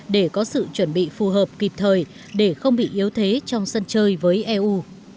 để có sự chuẩn bị phù hợp kịp thời để không bị yếu thế trong sân chơi với eu